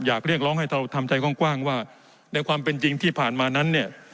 เรียกร้องให้เราทำใจกว้างว่าในความเป็นจริงที่ผ่านมานั้นเนี่ย